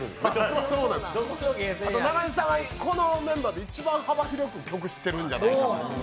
あと、中西さんはこのメンバーは一番幅広く曲知ってるんじゃないかと。